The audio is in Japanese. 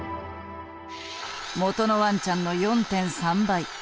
元のワンちゃんの４．３倍。